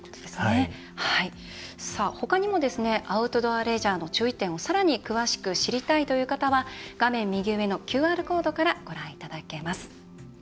他にもアウトドアレジャーの注意点をさらに詳しく知りたいという方は画面右上のＱＲコードからご覧いただけます。